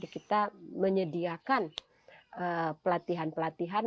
kita menyediakan pelatihan pelatihan